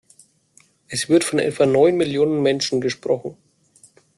Es wird von etwa neun Millionen Menschen gesprochen.